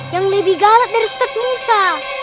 yang lebih galak dari ustadz nusa